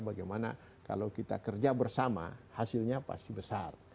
bagaimana kalau kita kerja bersama hasilnya pasti besar